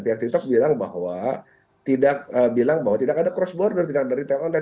pihak tikus bilang bahwa tidak ada cross border tidak ada retail online